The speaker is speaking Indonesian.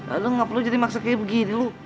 aduh gak perlu jadi maksa kayak begini lu